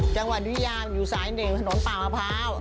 จังหวัดยามอยู่สายหนึ่งถนนป่ามะพร้าว